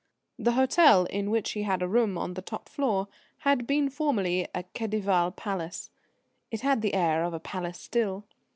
The hotel in which he had a room on the top floor had been formerly a Khedivial Palace. It had the air of a palace still.